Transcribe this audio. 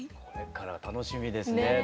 これから楽しみですね。